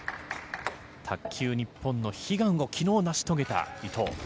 卓球日本の悲願を成し遂げた伊藤。